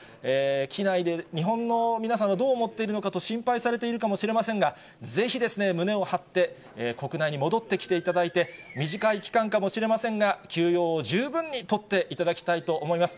機内で日本の皆さんはどう思っているかと、心配されているかもしれませんが、ぜひ胸を張って国内に戻って来ていただいて、短い期間かもしれませんが、休養を十分に取っていただきたいと思います。